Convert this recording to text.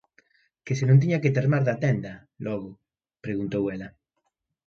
Que se non tiña que termar da tenda, logo, preguntou ela.